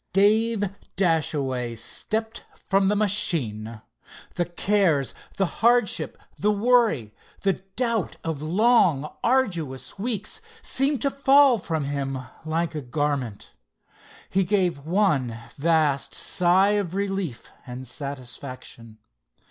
Dave Dashaway stepped from the machine. The cares, the hardship, the worry, the doubt of long arduous weeks seemed to fall from him like a garment. He gave one vast sigh of relief and satisfaction.